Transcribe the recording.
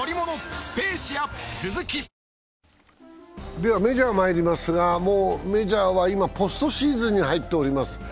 ではメジャーまいりますが、メジャーは今、ポストシーズンに入っております。